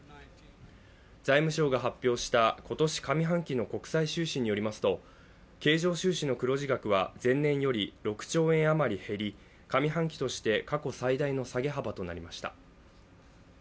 財務省が発表した今年上半期の国際収支によりますと経常収支の黒字額は前年より６兆円あまり減り上半期として過去最大の下げ幅となりました。